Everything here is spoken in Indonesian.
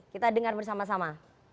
kita dengar bersama sama